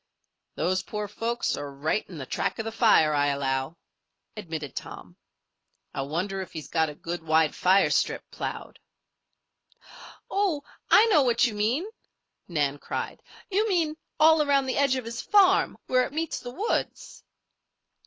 "Those poor folks are right in the track of the fire, I allow," admitted Tom. "I wonder if he's got a good wide fire strip ploughed?" "Oh! I know what you mean," Nan cried. "You mean all around the edge of his farm where it meets the woods?"